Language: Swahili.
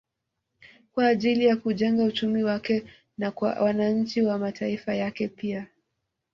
Kwa ajili ya kuujenga uchumi wake na kwa wananchi wa mataifa yake pia